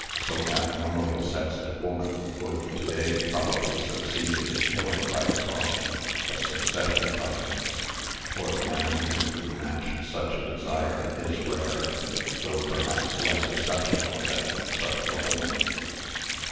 So abnormally sexed a woman would to day probably succeed in killing by exhaustion a suc cession of husbands, for the man who could rnatch such a desire is rare, though perhaps less exceptional than such a woman.